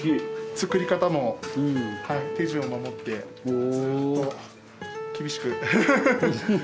作り方も手順を守ってずっと厳しくフフフフ。